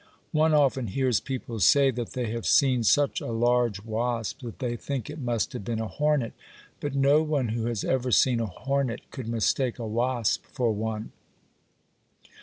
One often hears people say that they have seen such a large wasp that they think it must have been a hornet, but no one who has ever seen a hornet could mistake a wasp for one.